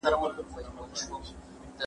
یخچال د بکتریاوو وده کموي.